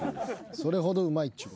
それほどうまいっちゅう。